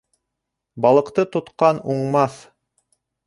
Балыҡты тотҡан уңмаҫ